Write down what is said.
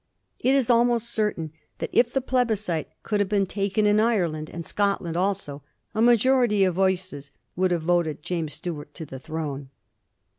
It is almost certain that if the plebiscite could have been taken in Ireland and Scotland also, a majority of voices would have voted James Stuart to the throne.